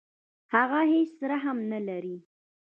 هغه هیڅ رحم نه لري.